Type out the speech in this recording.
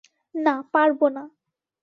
না, পারবে না।